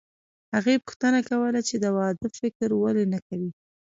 هغې پوښتنه کوله چې د واده فکر ولې نه کوې